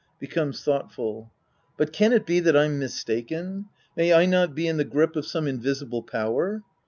Becomes thought ful^ But can it be that I'm mistaken ? May I not be in the grip of some invisible power